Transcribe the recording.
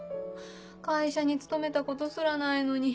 会社に勤めたことすらないのに。